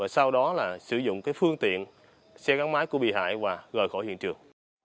sau đó là sử dụng phương tiện xe gắn máy của bị hại và rời khỏi hiện trường